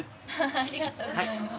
ありがとうございます。